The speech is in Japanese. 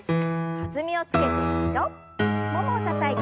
弾みをつけて２度ももをたたいて。